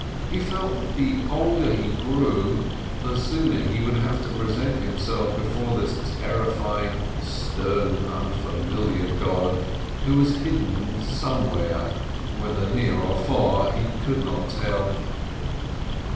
He felt that the older he grew, the sooner he would have to present himself before this terrifying, stern, and unfamiliar God, who was hidden somewhere, whether near or far he could not tell.